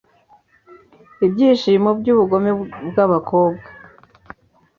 Ibyishimo byubugome byabakobwa